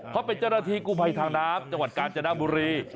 เขาเป็นเจ้าหน้าที่กู้ภัยทางน้ำจังหวัดกาญจนบุรี